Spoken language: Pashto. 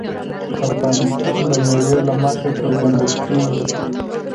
افغانستان د مېوې له مخې پېژندل کېږي.